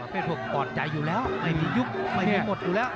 เป็นพวกปลอดใจอยู่แล้วไม่มียุบไม่มีหมดอยู่แล้ว